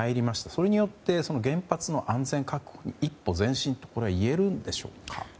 それによって、原発の安全確保が一歩前進とこれはいえるんでしょうか。